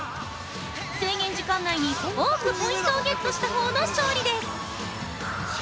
制限時間内に多くポイントをゲットしたほうの勝利です。